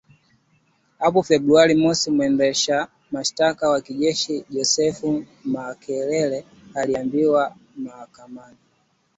hapo Februari mosi mwendesha mashtaka wa kijeshi Joseph Makelele aliiambia mahakama